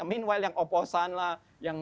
minuel yang oposan lah yang